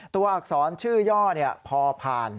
อักษรชื่อย่อพอผ่าน